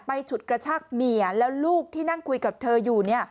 ฉุดกระชากเมียแล้วลูกที่นั่งคุยกับเธออยู่